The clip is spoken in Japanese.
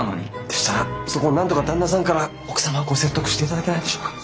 でしたらそこをなんとか旦那さんから奥様をご説得していただけないでしょうか？